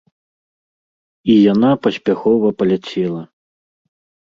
І яна паспяхова паляцела!